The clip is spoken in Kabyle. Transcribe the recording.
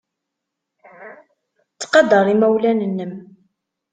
Ttqadar imawlan-nnem.